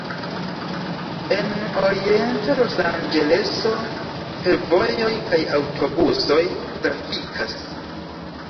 En Orienta Losanĝeleso fervojoj kaj aŭtobusoj trafikas.